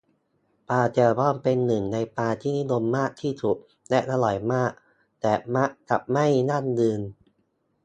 ปลาแซลมอนเป็นหนึ่งในปลาที่นิยมมากที่สุดและอร่อยมาก แต่มักจะไม่ยั่งยืน